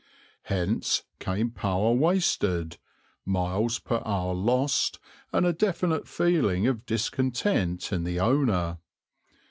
Hence came power wasted, miles per hour lost, and a definite feeling of discontent in the owner.